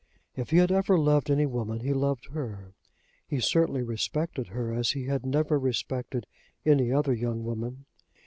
If he had ever loved any woman he loved her. He certainly respected her as he had never respected any other young woman.